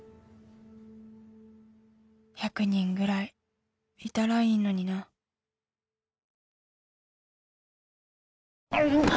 １００人ぐらいいたらいいのになうっ！